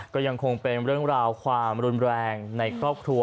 ก็ยังคงเป็นเรื่องราวความรุนแรงในครอบครัว